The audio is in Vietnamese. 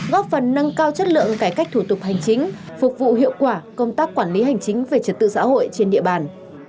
góp phần nâng cao chất lượng cải cách thủ tục hành chính phục vụ hiệu quả công tác quản lý hành chính về trật tự xã hội trên địa bàn